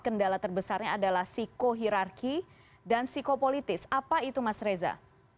kendala terbesarnya adalah psikohirarki dan psikopolitis apa itu mas reza